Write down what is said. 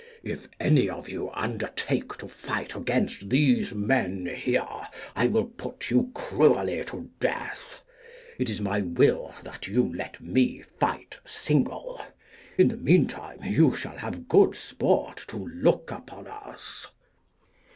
if any of you undertake to fight against these men here, I will put you cruelly to death. It is my will that you let me fight single. In the meantime you shall have good sport to look upon us.